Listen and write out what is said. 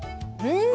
うん。